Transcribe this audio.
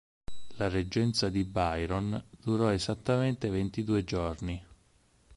La reggenza di Biron durò esattamente ventidue giorni.